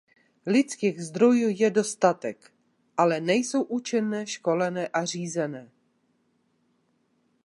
Lidských zdrojů je dostatek, ale nejsou účinně školené a řízené.